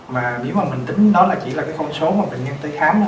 mà nếu mà mình tính đó chỉ là con số mà bệnh nhân tới khám